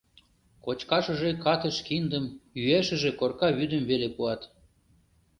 Кочкашыже катыш киндым, йӱашыже корка вӱдым веле пуат.